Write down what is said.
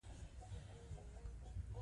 هېوادپالنه په عمل کې ده.